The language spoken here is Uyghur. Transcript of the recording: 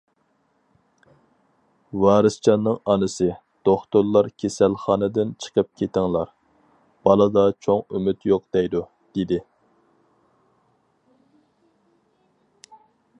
ۋارىسجاننىڭ ئانىسى: دوختۇرلار كېسەلخانىدىن چىقىپ كېتىڭلار، بالىدا چوڭ ئۈمىد يوق دەيدۇ، دېدى.